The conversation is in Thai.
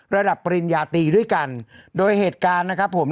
ปริญญาตีด้วยกันโดยเหตุการณ์นะครับผม